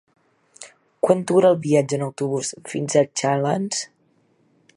Quant dura el viatge en autobús fins a Xalans?